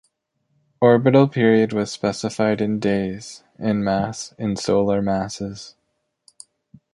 Orbital period was specified in days, and mass in Solar masses.